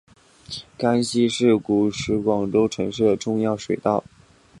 甘溪是古时广州城区的重要水道。